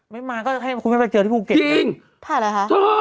ไม่มาก็ให้คุณแล้วไปเจอในภูเกรต